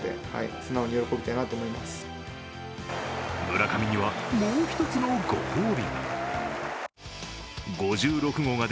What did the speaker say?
村上には、もう一つのご褒美が。